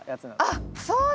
あっそうなんだ。